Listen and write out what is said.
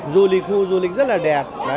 du lịch khu du lịch rất là đẹp